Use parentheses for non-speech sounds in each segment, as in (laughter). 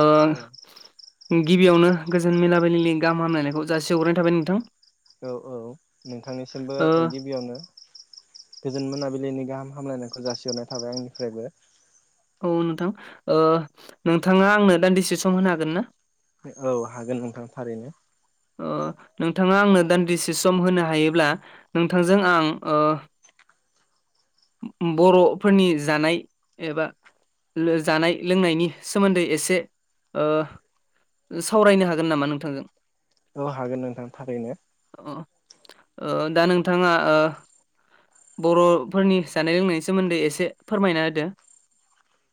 ओ औ गिबियावनो गोजोन मोनाबिलिनि गाहाम हामलायनायखौ जासि हरनाय थाबाय नोंथां। औ औ नोंथांनिसिमबो ओ गिबियावनो गोजोन मोनाबिलिनि गाहाम हामलायनायखौ जासिहरनाय थाबाय आंनिफ्रायबो। औ नोंथां ओ नोंथाङा आंनो दान्दिसे सम होनो हागोन ना? औ हागोन नोंथां थारैनो। ओ नोंथाङा आंनो दान्दिसे सम होनो हायोब्ला नोंथांजों आं ओ उम बर'फोरनि जानाय एबा लो जानाय लोंनायनि सोमोन्दै एसे ओ सावरायनो हागोन नामा नोंथांजों? औ हागोन नोंथां थारैनो। अ ओ दा नोंथाङा ओ बर'फोरनि जानाय लोंनायनि सोमोन्दै एसे फोरमायना होदो।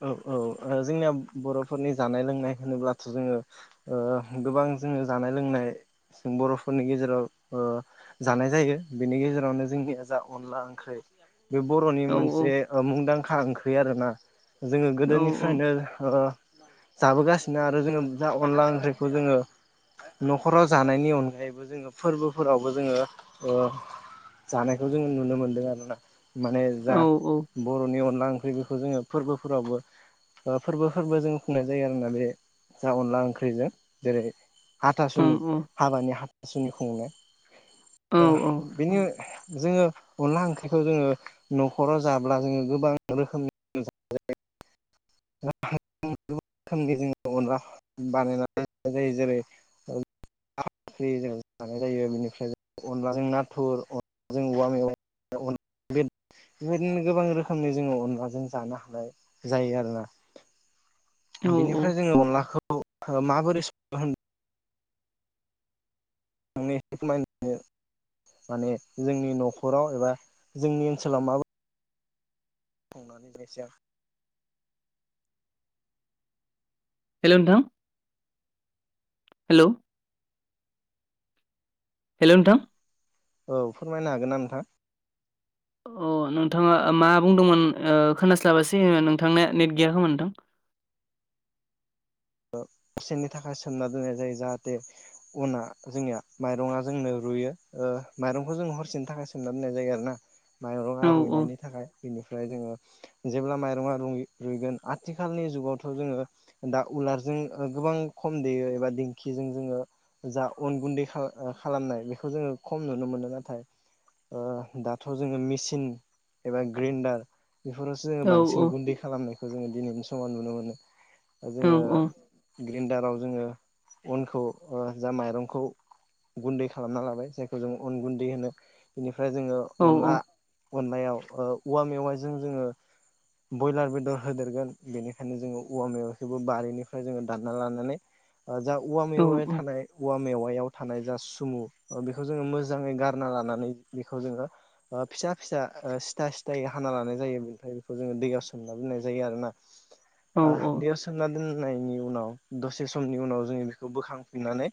औ औ ओ जोंनिया बर'फोरनि जानाय लोंनाय होनोब्लाथ' जोङो ओ गोबां जोङो जानाय लोंनाय जों बर'फोरनि गेजेराव ओ जानाय जायो बिनि गेजेरावनो जों निया जा अनला ओंख्रै बे बर'नि औ मोनसे मुंदांखा ओंख्रि आरोना। जोङो औ गोदोनिफ्रायनो ओ जाबोगासिनो आरो जोङो जा अनला ओंख्रिखौ जोङो न'खराव जानायनि अनगायैबो जोङो फोरबोफोरावबो जोङो ओ जानायखौ जों नुनो मोन्दों आरोना। माने औ जा औ बरनि अनला ओंख्रै बेखौ जोङो फोरबो फोरावबो ओ फोरबो फोरबो जों खुंनाय जायो आरोना बे जा अनला ओंख्रैजों जेरै ओं हाथासुनि औ हाबानि हाथासुनि खुंनाय औ ओह औ बेनो जोङो अनला ओंख्रिखौ जोङो नखराव जाब्ला जोङो गोबां रोखोमनि (inaudible) गुबुन रोखोमनि जोङो अनला बानायनानै जानाय जायो जेरै अन ला ओंख्रि जों जानाय जायो बेनिफ्राय अनलाजों नाथुर अनलाजों औवा मेवाइ अनला बेद बेबायदिनो गोबां रोखोमनि जोङो अनलाजों जानो हानाय जायो आरो ना। औ औ बिनिफ्राय जोङो अनलाखौ माबोरै (unintelligible) (unintelligible) माने जोंनि नखराव एबा जोंनि ओनसोलाव माबा (unintelligible) हेलौ नोंथां हेलौ हेलौ नोंथां औ फोरमायनो हागोन ना नोंथां? अ नोंथाङा मा बुंदोंमोन ओ खोनास्लाबासै नोंथांनिया नेट गैया खोमा नोंथां। (inaudible) ओ (unintelligible) थाखाय सोमना दोननाय जायो जाहाथे अना जोंनिया माइरङा जोंनो रुइयो ओ माइरंखौ जोङो हरसेनि थाखाय सोमना दोननाय जायो आरोना। औ माइरङा औ रुइनायनि थाखाय बिनिफ्राय जोङो जेब्ला माइरङा रुइ-रुइगोन आथिखालनि जुगावथ' जोङो दा उलारजों ओ गोबां खम देयो एबा दिंखिजों जोङो जा अन गुन्दै खा-खालामनाय बेखौ जोङो खम नुनो मोनो नाथाय ओ दाथ' जोङो मिचिन एबा ग्रेण्डार बेफोरावसो जोङो औ बांसिन गुन्दै खालामनायखौ जोङो दिनैनि समाव नुनो मोनो। औ जोङो ग्रेण्डाराव जोङो अनखौ ओ जा माइरंखौ गुन्दै खालामना लाबाय जायखौ जों अन गुन्दै होनो बेनिफ्राय जोङो औ अनला अनलायाव ओ औवा मेवायजों जोङो बयलार बेदर होदेरगोन बेनिखायनो जोङो औवा‌ मेवाइ खौबो बारिनिफ्राय जोङो दानना लानानै ओ जा औवा मेवाया औ औ थानाय औवा मेवायाव थानाय जास सुमु ओ बेखौ जोङो मोजाङै गारना लानानै बेखौ जोङो फिसा फिसा ओ सिथा सिथा सिथायै हाना लानाय जायो बेनिफाय बेखौ जोङो दैयाव सोमना दोननाय जायो आरोना औ ओह औ दै दोननायनि उनाव दसे समनि उनाव जोङो बेखौ बोखांफिननानै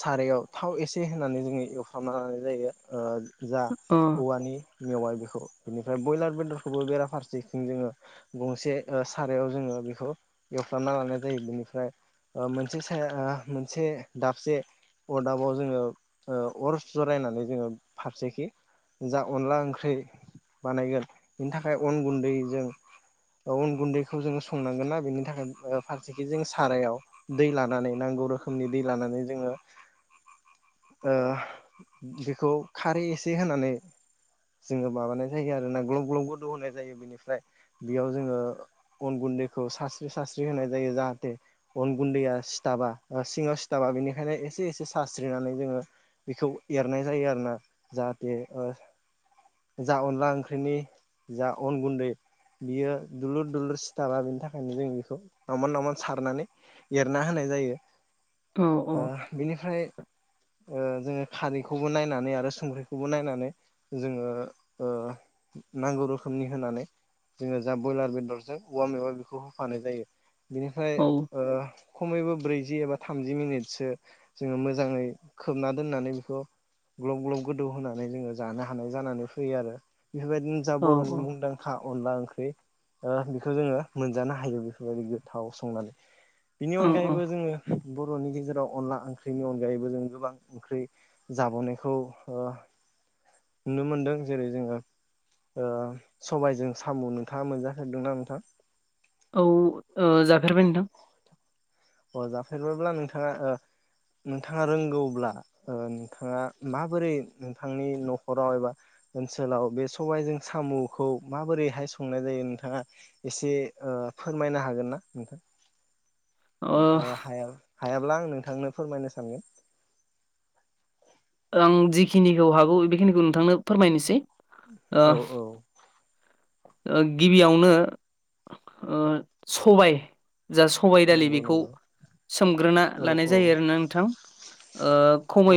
सारायाव थाव एसे होनानै जोङो एवफ्रानना लानाय जायो जा अ औवानि मेवाय बेखौ बेनिफ्राय बयलार बेदरखौबो बेराफारसेथिं जोङो गंसे ओ साराय याव जोङो बेखौ एवफ्रानना लानाय जायो बेनिफ्राय ओ मोनसे साया या मोनसे दाबसे अरदाबाव जोङो ऐ अर जरायनानै जोङो फारसेखि जा अनला ओंख्रि बानायगोन बेनि थाखाय अन गुन्दैजों औ अन गुन्दै खो खौ‌जोङो संनांगोन ना बेनि थाखाय ओ फारसेथखि जोंङो सारायाव दै लानानै नांगौ रोखोमनि दै लानानै लानानै जोङो (inaudible) ओह बेखौ खारै एसे होनानै जोङो माबानाय जायो आरोना ग्लब ग्लब गोदौ होनाय जायो बिनिफ्राय बेयाव जोङो अन गुन्दैखौ सास्रि सास्रि होनाय जायो जाहाथे अन गुन्दैया सिथाबा ओ सिङाव सिथाबा बेनिखायनो एसे-एसे सास्रिनानै जोङो बेखौ एरनाय जायो आरोना जाहाथे अ जा अनला ओंख्रिनि जा अन गुन्दै बियो दुलुर-दुलुर सिथाबा बेनि थाखायनो जों बेखौ नावमान-नावमान सारनानै एरना होनाय जायो। औ अह बेनिफ्राय अ जोङो खारैखौबो नायनानै आरो संख्रिखौबो नायनानै जोङो ओ नांगौ रोखोमनि होनानै जोङो जा ब्रयलार बेदरजों औवा मेवा बेखौ होफानाय जायो बिनिफ्राय औ ओ खमैबो ब्रैजि एबा थामजि मिनिटसो जोङो मोजाङै खोबना दोननानै बेखौ ग्लब-ग्लब गोदौ होनानै जोङो जानो हानाय जानानै फैयो आरो बेफोरबायदिनो जा बर'नि औ मुंदांखा अनला ओंख्रि अ बेखौ जोङो मोनजानो हायो बेफोरबायदि गोथाव संनानै बिनि औ औ अनगायैबो जोङो बर'नि गेजेराव अनला ओंख्रिनि अनगायैबो जों गोबां ओंख्रि जाबोनायखौ अ नुनो मोनदों जेरै- जोङो अ सबायजों साम' नोंथाङा मोनजाफेरदोंना नोंथां? औ ओ जाफेरबाय नोंथां अ जाफेरबायब्ला नोंथाङा अ नोंथाङा रोंगौब्ला अ नोंथाङा माबोरै नोंथांनि न'खराव एबा ओनसोलाव बे सबायजों सामुखौ माबोरैहाय संनाय जायो नोंथाङा एसे अ फोरमायनो हागोन ना नोंथां? ओ अ हाया- हायाब्ला आं नोंथांनो फोरमायनो सानगोन आं जिखिनिखौ हागौ बेखिनिखौ नोंथांनो फोरमायनोसै औ औ अ गिबियावनो अ सबाय जा सबाय दालि नंगौ बेखौ नंगौ सोमग्रोना औ लानाय औ जायो आरोना नोंथां अ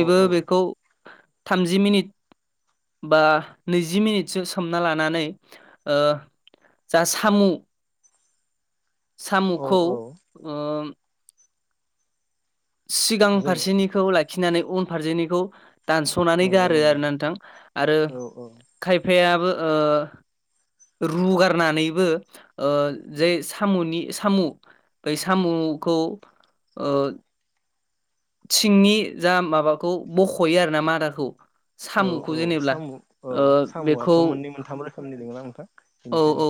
औ औ बेखौ थामजि मिनिट बा नैजि मिनिटसो सोमना लानानै अ जा सामु औ सामुखौ औ अ सिगां जोङो फारसेनिखौ लाखिनानै उनफारसेनिखौ दानस'नानै नंगौ गारो नंगौ आरो ना नोंथां आरो औ औ खायफायाबो ओ रुगारनानैबो अ जे सामुनि सामु-सामु- खौ अ थिंनि जा माबाखौ बख'यो आरोना मादाखौ औ सामुखौ औ जेनेब्ला सामु औ ओ सामुआथ' बेखौ मोननै मोनथाम रोखोमनि दङो ना नोंथां औ औ बेनिखायनो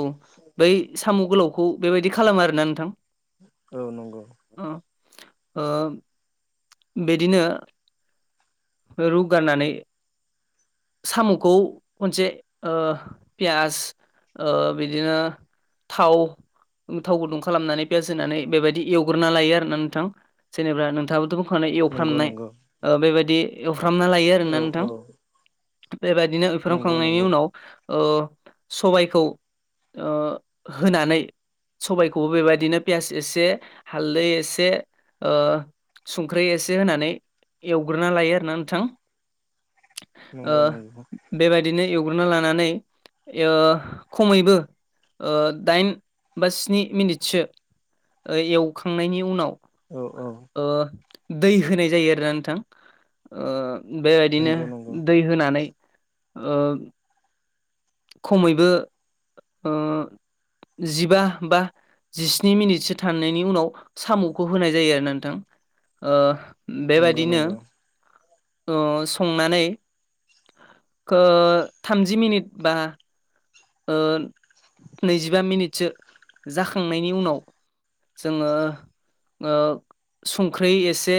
बै सामु गोलावखौ बेबायदि खालामो आरोना नोंथां। औ नंगौ। अ बिदिनो रुगारनानै सामुखौ खनसे अ पियास अ बिदिनो थाव थाव गुदुं खालामनानै पियास होनानै बेबायदि एवग्रोना लायो आरो ना नोंथां। जेनेबा नोंथा- खानाय नंगौ एवफ्रामनाय नंगौ बेबायदि एवफ्रामना लायो औ आरोना नोंथां। औ बेबायदिनो नंगौ एवफ्रामखांनायनि अ नंगौ उनाव ओ सबायखौ अ होनानै सबायखौबो बेबायदिनो पियास एसे हालदै एसे अ संख्रि एसे होनानै एवग्रोना लायो आरोना नोंथां। अ नंगौ नंगौ बेबायदिनो एवग्रोना लानानै अ खमैबो अ दाइन बा स्नि मिनिटसो अ एवखांनायनि उनाव औव औव। ओ दै होनाय जायो आरोना नोंथां। ओ बेबायदिनो नंगौ नंगौ दै होनानै ओ खमैबो ओ जिबा बा जिस्नि मिनिटसो थानायनायनि उनाव साम'खौ होनाय जायो आरो ना नोंथां। ओ नंगौ बेबायदिनो नंगौ ओ संनानै ओ थामजि मिनिट बा ओ नैजिबा मिनिटसो जाखांनायनि उनाव जोङो ओ संख्रै एसे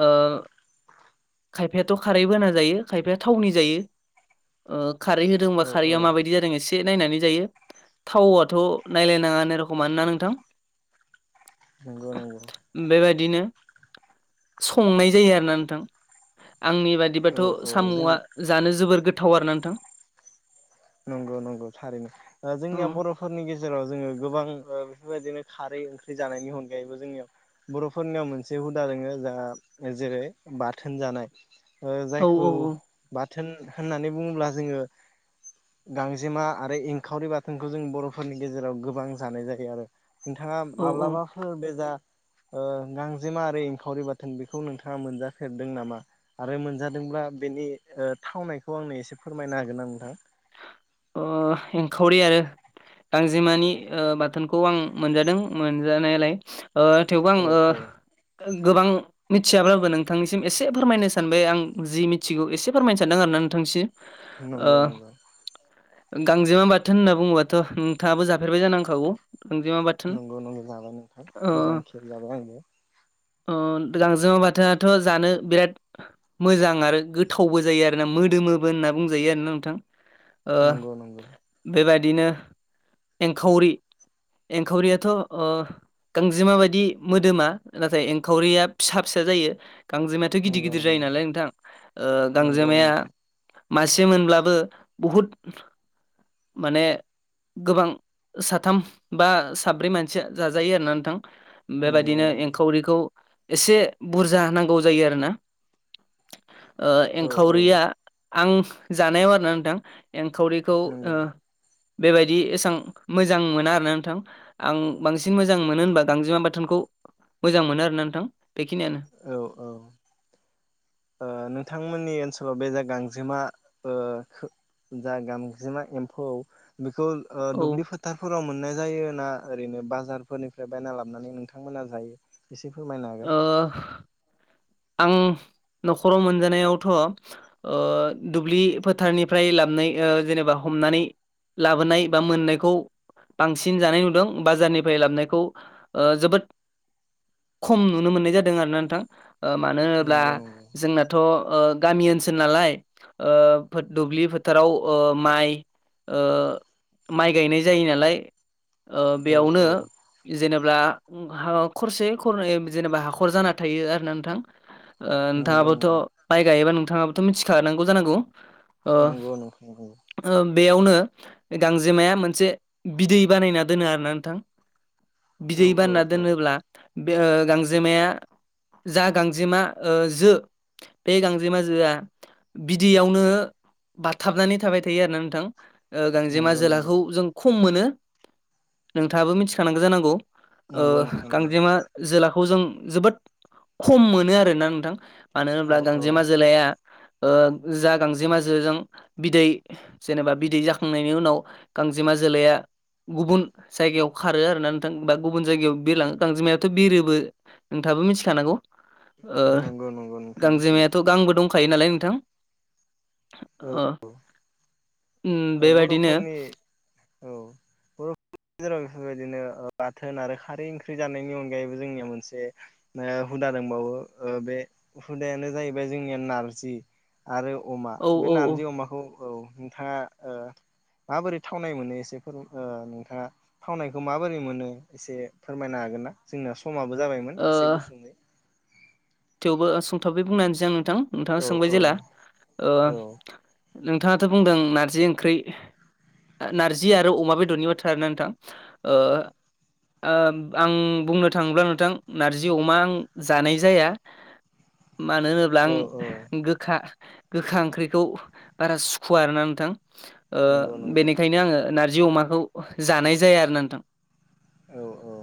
ओ खायफायाथ' खारै बोना जायो खायफाया थावनि जायो। ओ खारै होदोंबा औ औ खारैआ माबायदि जादों एसे नायनानै जायो थाव आथ' नायलायनाङा रखम आनो ना नोंथां। नंगौ नंगौ। बिदिनो संनाय जायो आरोना नोंथां। आंनि औ बादिबाथ' औ साम'आ जोंनि जानो जोबोर गोथाव आरो ना नोंथां। नंगौ नंगौ थारैनो ओ औ जोंनिया बर'फोरनि गेजेराव जोङो गोबां ओ बेफोरबायदिनो खारै ओंख्रि जानायनि अनगायैबो जोंनियाव बर'फोरनियाव मोनसे हुदा दोङो जा जेरै बाथोन जानाय ओ औ जायखौ बाथोन होननानै बुङोब्ला जोङो गांजेमा आरो एंखावरि बाथोनखौ जों बर'फोरनि गेजेराव गोबां जानाय जायो आरो। नोंथाङा औ औ माब्लाबाफोर बेजा ओ गांजेमा आरो एंखावरि बाथोन बेखौ नोंथाङा मोनजाफेरदों नामा? आरो मोनजादों ब्ला बेनि ओ थावनायखौ आंनो एसे फोरमायना होगोना नोंथांङां। अ एंखावरि आरो गांजेमानि ओ बाथोनखौ आं मोनजादों मोनजानायालाय। ओ थेवबो औ आंङो औ गोबां मिथियाब्लाबो नोंथांनिसिम एसे फोरमायनो सानबाय। आं जि मिथिगौ एसे फोरमायनो सानदों आरोना नोंथांसिम। नंगौ नंगौ। गांजेमा बाथोन होनना बुङोबाथ' नोंथाङाबो जाफेरबाय जानांखागौ। नंगौ नंगौ जाबाय नोंथां गोबां खेब जाबाय आंनो। अ गांजेमा बाथोआथ' जानो बिराद मोजां आरो गोथावबो जायो आरोना मोदोमोबो होनना बुंजायो आरोना नोंथां। नंगौ नंगौ। बिदिनो एंखावरि एंखावरियाथ' ओ गांजेमााबायदि मोदोमा नाथाय एंखावरिया फिसा फिसा जायो। गांजेमायाथ' गिदिर नंगौ गिदिर जायो नंगौ नालाय नोंथां ओ नंगौ गांजेमाया नोंथां मासे मोनब्लाबो बहुत माने गोबां साथाम बा साब्रै मानसिया जाजायो आरोना नोंथां। नंगौ बेबायदिनो नंगौ एंखावरिखौ एसे बुरजा नांगौ जायो आरोना। ओ औ औ एंखावरिया आं जानायाव आरोना नोंथां। एंखावरिखौ ओ नंगौ बेबायदि एसेबां मोजां मोना आरोना नोंथां आं बांसिन मोजां मोनो होनबा गांजेमा बाथोनखौ मोजां मोनो आरोना नोंथां। बेखिनियानो औव औव ओ नोंथांमोननि ओनसोलाव बे जायगा गांजेमा ओ खो जा गांजेमा एम्फौ बेखौ औ दुब्लि फोथारफोराव मोननाय जायो ना ओरैनो बाजारफोरनिफ्राय बायना लाबोनानै नोंथांमोना जायो एसे फोरमायनो हागोन। ओ आं। न'खराव मोनजानायावथ' अ‌ दुब्लि फोथारनिफ्राय लाबोनाय जेनेबा हम नानै लाबोनाय बा मोननायखौ बांसिन जानाय नुदों। बाजारनिफ्राय लाबोनायखौ जोबोद खम नुनो मोननाय जादों आरोना नोंथां मानो होनोब्ला नंगौ नंगौ जोंनाथ' गामि ओनसोल नालाय दुब्लि फोथाराव ओ माइ ओ माइ गायनाय जायो नालाय। ओ औ बेयावनो औ जेनेब्ला हाखरसे हाखरनै जेनेबा हाखर जाना थायो आरो ना ओ नोंथां नंगौ नोंथाङाबोथ' नोंथां गायोबा नोंथाङाबथ' मिथिखानांगौ जानांगौ। ओ नंगौ नोंथां नंगौ बेयावनो गांजेमाया मोनसे बिदै बानायना दोनो आरोना नोंथां। औ बिदै औ बानना औ दोनोब्ला बे गांजेमाया जा गांजेमा ओ जो बे गांजे माजोआ बिदैयावनो बाथाबनानै थाबाय थायो आरोना नोंथां। गांजेमा नंगौ नंगौ जोलाखौ जों खम मोनो नोंथाङाबो मिथिखानांगौ जानांगौ। नंगौ ओह नोंथां नंगौ गांजेमा जोलाखौ जों जोबोद खम मोनो आरोना नोंथां मानो होनोबा औ औ गांजेमा जोलाया ओ जा गांजे जोजों बिदै जेनेबा बिदै जाखांनायनि उनाव गांजे गांजेमा जोलाया गुबुन जायगायाव खारो आरोना नोंथां बा गुबुन जायगायाव बिरलांंओ गांजेमा याथ बिरोबो नोंथाङाबो मिथिखानांगौ। ओ नंगौ नंगौ नोंथां मिथिगौ गांजेमायाथ' गांबो दंखायो नालाय नोंथां। औ अ। बर'फोरनि औ बर'फोरनि जेराव बेबायदिनो बाथोन आरो खारै ओंख्रि जानायनि अनगायैबो जोंनिया मोनसे हुदा दंबावो। बे हुदायानो जाहैबाय जोंनिया नारजि। आरो अमा औ बे औ औ नारजि अमाखौ औ नोंथाङा (inaudible) माबोरै थावनाय मोनो एसे ओ नोंथाङा थावनायखौ माबोरै मोनो एसे फोरमायना हागोनना जोंना समाबो जाबायमोन ओ एसे गुसुंयै? थेवबो सोंथाबै बुंना होनोसै आं नोंथां नोंथाङा औ सोंबाय औ जेला ओ औ नोंथाङाथ' बुंदों नारजि ओंख्रि नारजि आरो अमा बेदरनि बाथ्रा आरोना नोंथां ओ ओ आं बुंनो थाङोब्ला नोंथां नारजि अमा आं जानाय जाया। मानो होनोब्ला औ औ आं गोखा गोखा ओंख्रिखौ बारा सुखुवा आरोना नोंथां। ओ नंगौ नंगौ बेनिखायनो आङो नारजि अमाखौ जानाय जाया आरो नोंथां। औ औ।